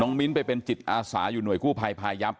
มิ้นไปเป็นจิตอาสาอยู่หน่วยกู้ภัยพายับ